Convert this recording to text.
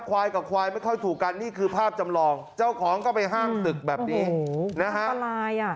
ควายกับควายไม่ค่อยถูกกันนี่คือภาพจำลองเจ้าของก็ไปห้ามศึกแบบนี้นะฮะ